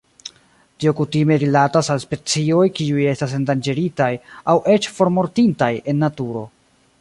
Tio kutime rilatas al specioj kiuj estas endanĝeritaj aŭ eĉ formortintaj en naturo.